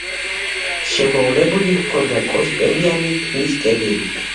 შემოვლებული ჰქონდა კოშკებიანი ქვის კედელი.